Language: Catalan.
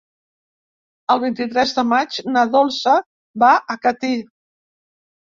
El vint-i-tres de maig na Dolça va a Catí.